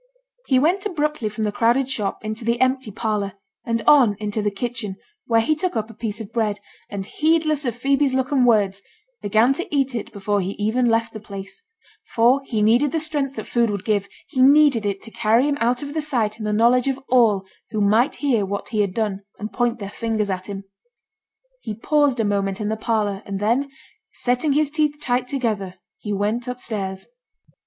He went abruptly from the crowded shop into the empty parlour, and on into the kitchen, where he took up a piece of bread, and heedless of Phoebe's look and words, began to eat it before he even left the place; for he needed the strength that food would give; he needed it to carry him out of the sight and the knowledge of all who might hear what he had done, and point their fingers at him. He paused a moment in the parlour, and then, setting his teeth tight together, he went upstairs.